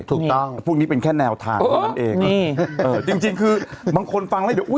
ถูกต้องพวกนี้เป็นแค่แนวทางเท่านั้นเองนี่เออจริงจริงคือบางคนฟังแล้วเดี๋ยวอุ้ย